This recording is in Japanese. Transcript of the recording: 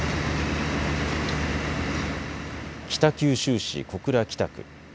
北九州市小倉北区。